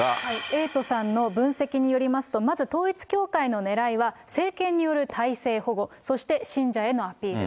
エイトさんの分析によりますと、まず統一教会のねらいは、政権による体制保護、そして、信者へのアピール。